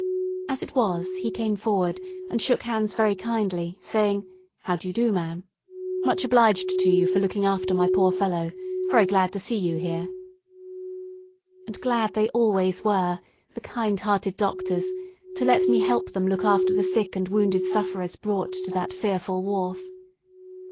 As it was, he came forward, and shook hands very kindly, saying, "How do you do, ma'am? Much obliged to you for looking after my poor fellow; very glad to see you here." And glad they always were, the kind hearted doctors, to let me help them look after the sick and wounded sufferers brought to that fearful wharf.